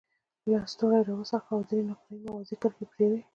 لستوڼی یې را وڅرخاوه او درې نقره یي موازي کرښې یې پرې وې.